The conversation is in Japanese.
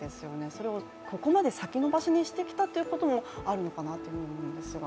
それをここまで先延ばしにしてきたということもあるのかなと思うんですが。